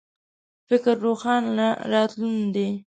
فکر روښانه راتلون